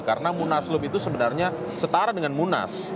karena munas lub itu sebenarnya setara dengan munas